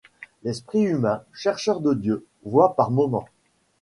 L’esprit humain, chercheur de Dieu, voit par moments